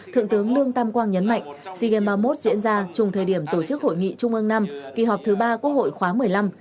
thượng tướng lương tam quang nhấn mạnh sigem ba mươi một diễn ra trùng thời điểm tổ chức hội nghị trung ương năm kỳ họp thứ ba của hội khóa một mươi năm